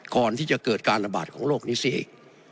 ก่อนที่จะเกิดการระบาดของโรคนี้เสียเอง